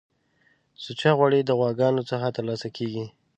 سوچه غوړی د غواګانو څخه ترلاسه کیږی